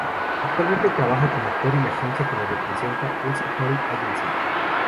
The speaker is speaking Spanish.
Actualmente trabaja como actor, y la agencia que lo representa es Hori Agency.